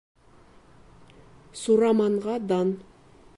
Сураманға дан!